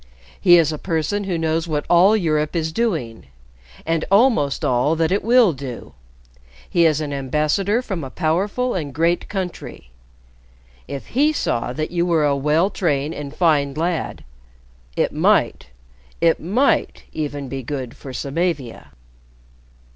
"He is a person who knows what all Europe is doing, and almost all that it will do. He is an ambassador from a powerful and great country. If he saw that you are a well trained and fine lad, it might it might even be good for Samavia."